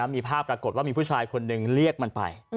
มีภาพปรากฏว่ามีผู้ชายคนหนึ่งเรียกมันไป